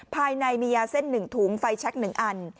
ภายในมียาเส้นหนึ่งถุงไฟแชคหนึ่งอัน